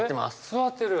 座ってる？